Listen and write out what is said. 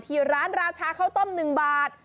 ที่ร้านราชาข้าวต้ม๑บาท